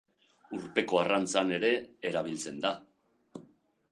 Urpeko arrantzan ere erabiltzen da.